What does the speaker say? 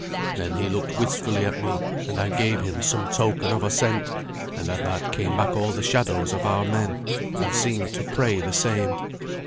Then he looked wistfully at me, and I gave him some token of assent; and at that came back all the shadows of our men, and seemed to pray the same.